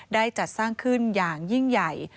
ได้จัดสร้างขึ้นอย่างยิ่งใหญ่